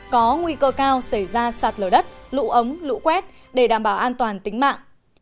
có nguy cơ cao xảy ra sạt lở đất lũ ống lũ quét để đảm bảo an toàn tính mạng